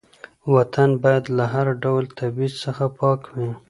وطن باید له هر ډول تبعیض څخه پاک وي.